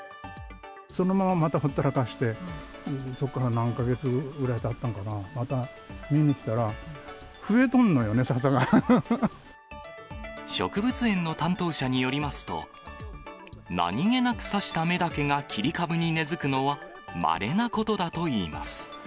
そのまままたほったらかして、そこから何か月ぐらいたったんかな、また見に来たら、植物園の担当者によりますと、何気なく差したメダケが切り株に根づくのは、まれなことだといいます。